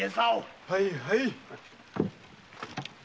はいはい！